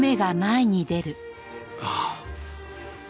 ああ。